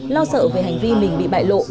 lo sợ về hành vi mình bị bại lộ